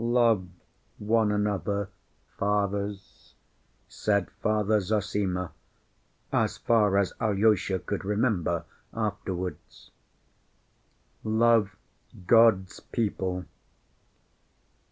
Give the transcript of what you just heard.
"Love one another, Fathers," said Father Zossima, as far as Alyosha could remember afterwards. "Love God's people.